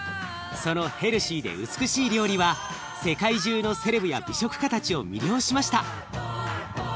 そのヘルシーで美しい料理は世界中のセレブや美食家たちを魅了しました。